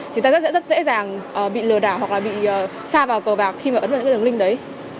thì ta rất sẽ rất dễ dàng bị lừa đảo hoặc là bị xa vào cờ bạc khi mà ấn vào những cái đường link đấy